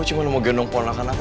aku mau gendong ponak anakku